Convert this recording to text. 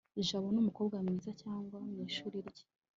jabo numukobwa mwiza cy mwishuri rye